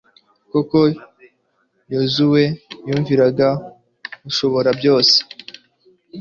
koko yozuwe yumviraga umushoborabyose